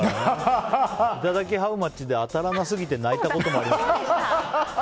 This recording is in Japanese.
いただきハウマッチで当たらなすぎて泣いたこともありますからね。